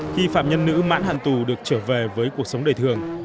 khi phạm nhân nữ mãn hạn tù được trở về với cuộc sống đời thường